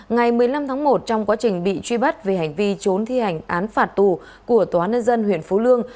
ngày một mươi năm tháng một trong quá trình bị truy bắt về hành vi trốn thi hành án phạt tù của tòa nân dân huyện phú lương